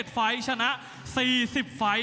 ไฟล์ชนะ๔๐ไฟล์